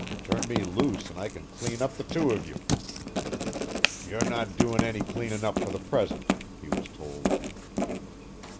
Turn me loose and I can clean up the two of you!" "You're not doin' any cleanin' for the present," he was told.